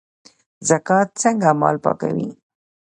زکات څنګه مال پاکوي؟